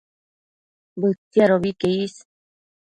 Bëtsiadobi que is